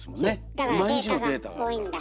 だからデータが多いんだ。